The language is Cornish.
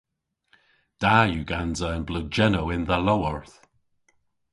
Da yw gansa an bleujennow yn dha lowarth.